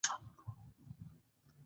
آیا کاناډا د فرصتونو ځمکه نه ده؟